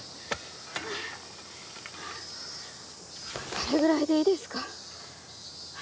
これぐらいでいいですか？